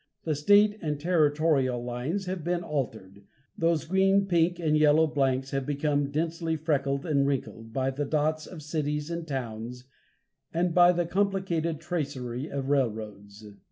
The state and territorial lines have been altered, those green, pink, and yellow blanks have become densely freckled and wrinkled, by the dots of cities and towns, and by the complicated tracery of railroads.